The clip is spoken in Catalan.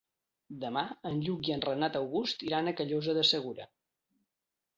Demà en Lluc i en Renat August iran a Callosa de Segura.